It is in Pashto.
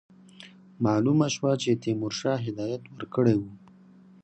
معلومه شوه چې تیمورشاه هدایت ورکړی وو.